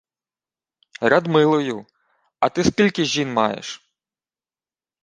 — Радмилою. А ти скільки жін маєш?